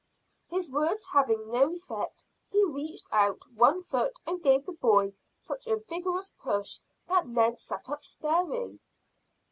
His words having no effect, he reached out one foot and gave the boy such a vigorous push that Ned sat up, staring.